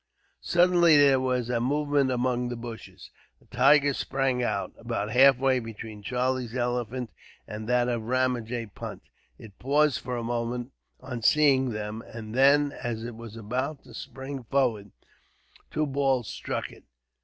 Suddenly there was a movement among the bushes. A tiger sprang out, about halfway between Charlie's elephant and that of Ramajee Punt. It paused for a moment, on seeing them; and then, as it was about to spring forward, two balls struck it.